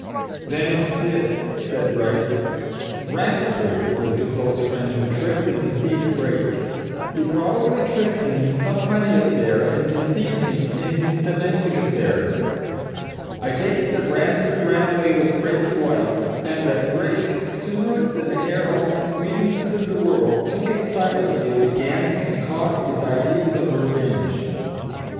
"Then, it's this," said Bryce. "Ransford was the close friend who tricked and deceived Brake: "He probably tricked him in some money affair, and deceived him in his domestic affairs. I take it that Ransford ran away with Brake's wife, and that Brake, sooner than air all his grievance to the world, took it silently and began to concoct his ideas of revenge.